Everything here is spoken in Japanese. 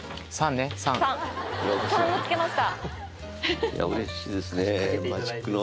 「３」を付けました